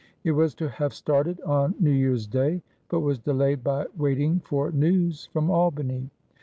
It was to have started on New Year's Day, but was delayed by waiting for news from Albany.